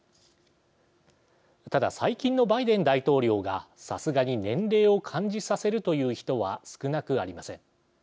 ただ、最近のバイデン大統領がさすがに年齢を感じさせるという人は少なくありません。